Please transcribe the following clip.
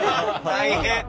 大変。